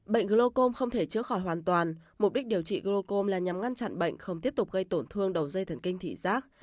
bệnh glocom không thể chữa khỏi hoàn toàn mục đích điều trị glocom là nhằm ngăn chặn bệnh không tiếp tục gây tổn thương đầu dây thần kinh thị giác